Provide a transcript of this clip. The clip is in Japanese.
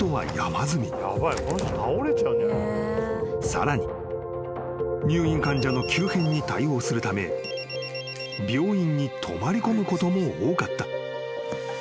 ［さらに入院患者の急変に対応するため病院に泊まり込むことも多かった］